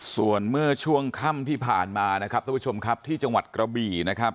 ส่วนเมื่อช่วงค่ำที่ผ่านมานะครับท่านผู้ชมครับที่จังหวัดกระบี่นะครับ